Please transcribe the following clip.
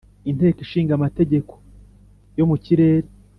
inteko ishinga amategeko yo mu kirere,